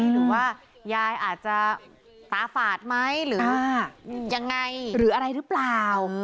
หรือว่ายายอาจจะตาฝาดไหมหรือว่ายังไงหรืออะไรหรือเปล่า